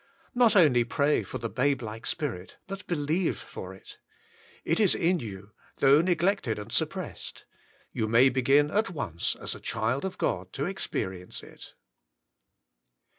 INTot only pray for the babe like spirit, but believe for it. It is in you, though neglected and sup Revealed Unto Babes 8i pressed; you may begin at once as a child of God to experience it.